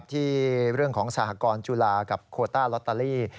ที่เรื่องของสหกรจุฬากับโคต้าลอตเตอรี่